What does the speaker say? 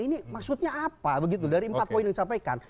ini maksudnya apa begitu dari empat poin yang disampaikan